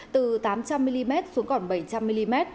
từ tám trăm linh mm xuống còn bảy trăm linh mm